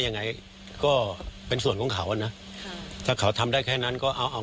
ยังไงก็เป็นส่วนของเขาอ่ะนะค่ะถ้าเขาทำได้แค่นั้นก็เอาเอา